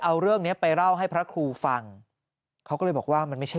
เอาเรื่องเนี้ยไปเล่าให้พระครูฟังเขาก็เลยบอกว่ามันไม่ใช่